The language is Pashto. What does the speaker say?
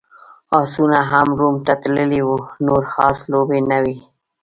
اسونه هم روم ته تللي وو، نور اس لوبې نه وې.